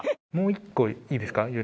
もう一個いいですか？